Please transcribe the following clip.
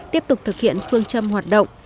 tiếp tục thực hiện phương châm hoạt động